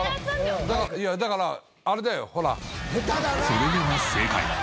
それでは正解。